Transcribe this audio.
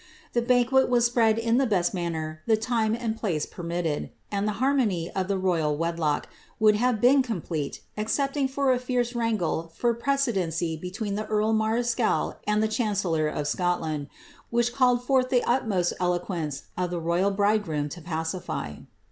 The banquet was spread in the best manner the lime and place permitted, and the harmony of the royal wedlock would have been complete, excepting for a fierce wrangle for precedency between the earl marischal and the chancellor of Scotland, which called forth the utmost eloquence of the royal bridegroom to pacify.